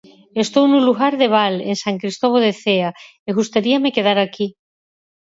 Estou no lugar do Val, en San Cristovo de Cea, e gustaríame quedar aquí.